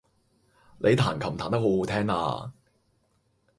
你彈琴彈得好好聽呀